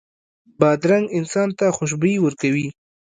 بادرنګ انسان ته خوشبويي ورکوي.